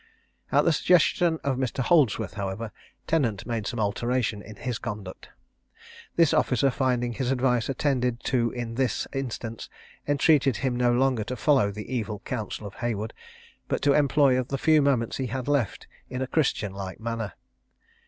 At the suggestion of Mr. Holdsworth, however, Tennant made some alteration in his conduct. This officer, finding his advice attended to in this instance, entreated him no longer to follow the evil counsel of Haywood, but to employ the few moments he had left in a Christian like manner.